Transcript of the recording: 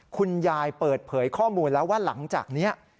เปิดเผยข้อมูลแล้วว่าหลังจากนี้